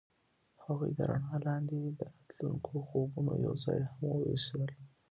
هغوی د رڼا لاندې د راتلونکي خوبونه یوځای هم وویشل.